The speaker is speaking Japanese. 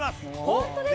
本当ですか？